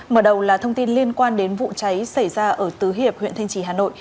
mở đầu là thông tin liên quan đến vụ cháy xảy ra ở tứ hiệp huyện thanh trì hà nội